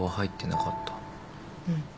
うん。